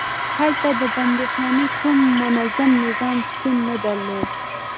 هلته د بندیخانې کوم منظم نظام شتون نه درلود.